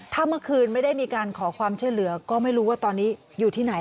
ถ้าเมื่อคืนไม่ได้มีการขอความช่วยเหลือก็ไม่รู้ว่าตอนนี้อยู่ที่ไหน